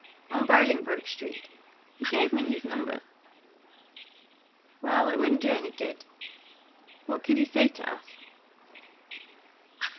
"On Bolingbroke Street. He gave me his number." "Well, it wouldn't do any good. What could he say to us?"